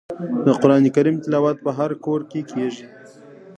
د قران کریم تلاوت په هر کور کې کیږي.